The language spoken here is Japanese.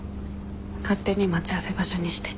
勝手に待ち合わせ場所にして。